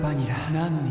なのに．．．